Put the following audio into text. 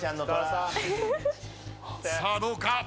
さあどうか？